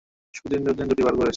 সুদিন দুর্দিন দুটোই পার করেছে।